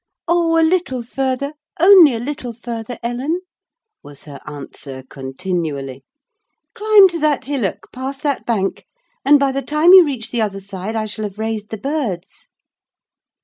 "Oh, a little further—only a little further, Ellen," was her answer, continually. "Climb to that hillock, pass that bank, and by the time you reach the other side I shall have raised the birds."